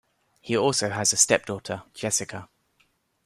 He also has a step-daughter, Jessica.